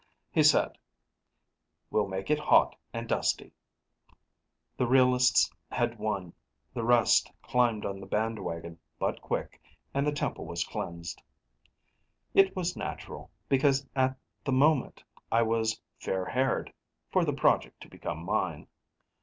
He said, "We'll make it hot and dusty." The realists had won; the rest climbed on the bandwagon but quick; and the temple was cleansed. It was natural because at the moment I was fair haired for the project to become mine.